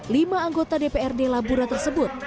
lima anggota dprd labura tersebut